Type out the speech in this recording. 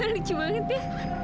lucu banget ya